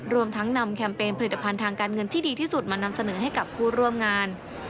รวมทั้งนำแคมเปญผลิตภัณฑ์ทางการเงินที่ดีที่สุดมานำเสนอให้กับผู้ร่วมงาน